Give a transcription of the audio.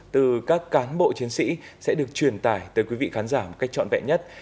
từ các cán bộ chiến sĩ sẽ được truyền tải tới quý vị khán giả một cách trọn vẹn nhất